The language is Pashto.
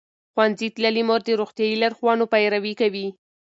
ښوونځې تللې مور د روغتیايي لارښوونو پیروي کوي.